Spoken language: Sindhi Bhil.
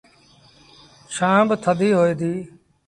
ڇآن با ٿڌي هوئي دي۔